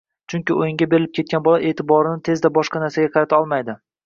Chunki o‘yinga berilib ketgan bola e’tiborini tezda boshqa narsaga qarata olmaydi.